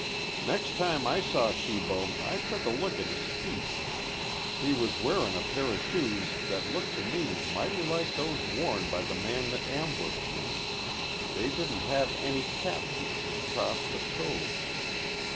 "Next time I saw Shibo I took a look at his feet. He was wearin' a pair o' shoes that looked to me mighty like those worn by the man that ambushed me. They didn't have any cap pieces across the toes.